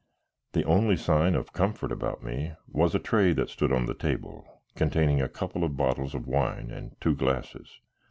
The only sign of comfort about me was a tray that stood on the table, containing a couple of bottles of wine and two glasses.